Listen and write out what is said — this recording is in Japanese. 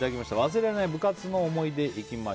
忘れられない部活動の思い出。